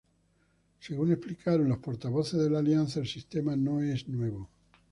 Según explicaron los portavoces de la alianza, el sistema no es nuevo.